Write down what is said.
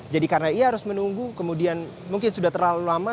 jadi karena ia harus menunggu kemudian mungkin sudah terlalu lama